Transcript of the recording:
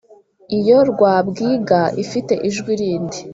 Iyo rwabwiga ifite ijwi rindi,